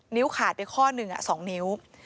นิ้วขาดไปข้อ๑อ่ะ๒นิ้ว